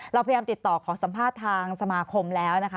เราพยายามติดต่อขอสัมภาษณ์ทางสมาคมแล้วนะคะ